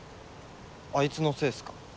あいつのせいすか？